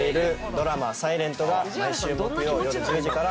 ドラマ「ｓｉｌｅｎｔ」が毎週木曜夜１０時から。